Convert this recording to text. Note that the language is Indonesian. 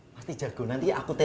pasti jago nanti ya aku telepon